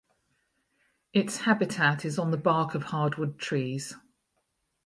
Its habitat is on the bark of hardwood trees.